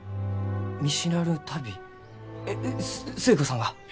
えっ寿恵子さんが？